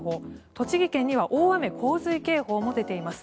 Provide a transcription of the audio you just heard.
栃木県には大雨・洪水警報も出ています。